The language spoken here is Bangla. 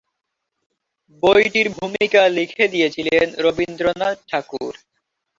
বইটির ভূমিকা লিখে দিয়েছিলেন রবীন্দ্রনাথ ঠাকুর।